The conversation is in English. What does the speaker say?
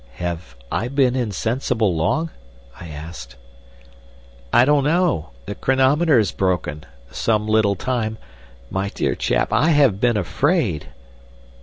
"Have I been insensible long?" I asked. "I don't know—the chronometer is broken. Some little time.... My dear chap! I have been afraid..."